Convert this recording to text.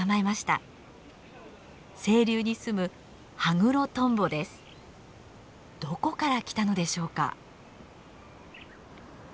清流に住むどこから来たのでしょうか？